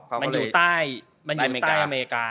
มันอยู่ใต้อเมริกา